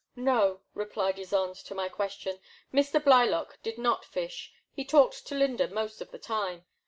No, replied Ysonde to my question, Mr. Blylock did not fish; he talked to Lynda most of the time.